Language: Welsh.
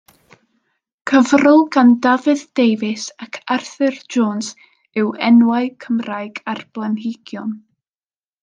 Cyfrol gan Dafydd Davies ac Arthur Jones yw Enwau Cymraeg ar Blanhigion.